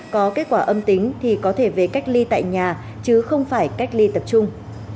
có kết quả âm tính thì có thể về cách ly tại nhà chứ không phải cách ly tập trung